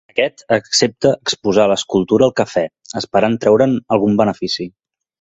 Aquest accepta exposar l'escultura al cafè, esperant treure'n algun benefici.